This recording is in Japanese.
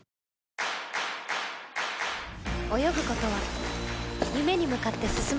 泳ぐ事は夢に向かって進む事。